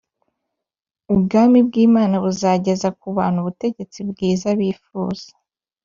Ubwami bw’Imana buzageza ku bantu ubutegetsi bwiza bifuza